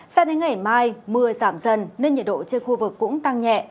sao đến ngày mai mưa giảm dần nên nhiệt độ trên khu vực cũng tăng nhẹ